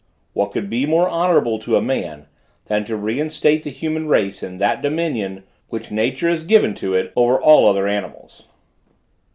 What could be more honorable to a man, than to reinstate the human race in that dominion, which nature has given to it, over all other animals?